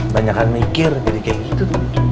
banyak yang mikir jadi kayak gitu